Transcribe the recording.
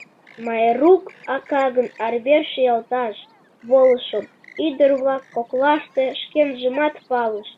Майрук ака гын арвер шӱялташ «волышо» ӱдыр-влак коклаште шкенжымат палыш.